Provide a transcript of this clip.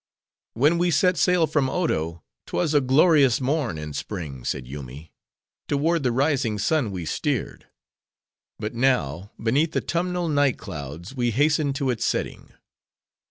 "When we set sail from Odo, 'twas a glorious morn in spring," said Yoomy; "toward the rising sun we steered. But now, beneath autumnal night clouds, we hasten to its setting."